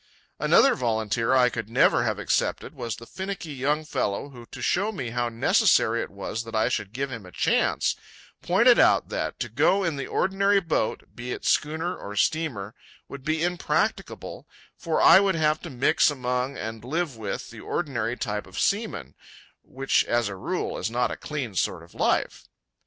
Another volunteer I could never have accepted was the finicky young fellow who, to show me how necessary it was that I should give him a chance, pointed out that "to go in the ordinary boat, be it schooner or steamer, would be impracticable, for I would have to mix among and live with the ordinary type of seamen, which as a rule is not a clean sort of life."